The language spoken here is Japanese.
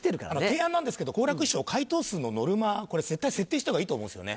提案なんですけど好楽師匠回答数のノルマこれ絶対設定した方がいいと思うんですよね。